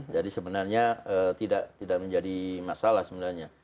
jadi sebenarnya tidak menjadi masalah sebenarnya